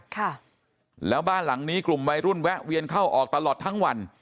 ค่ะแล้วบ้านหลังนี้กลุ่มวัยรุ่นแวะเวียนเข้าออกตลอดทั้งวัน